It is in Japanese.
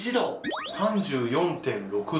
３４．６℃！